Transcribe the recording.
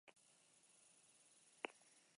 Diru-laguntza publikoak ere jasotzen ditu.